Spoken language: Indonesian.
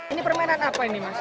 ini permainan apa ini mas